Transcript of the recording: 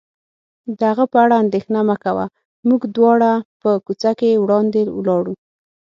د هغه په اړه اندېښنه مه کوه، موږ دواړه په کوڅه کې وړاندې ولاړو.